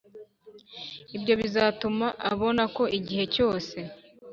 ibyo bizatuma abona ko igihe cyose